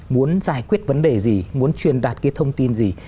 muốn giải quyết vấn đề gì muốn truyền đạt cái thông tin gì